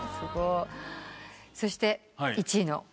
そして１位の？